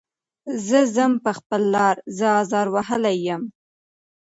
زه ځم په خپله لاره زه ازار وهلی یم.